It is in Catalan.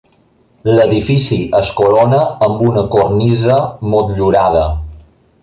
L'edifici es corona amb una cornisa motllurada.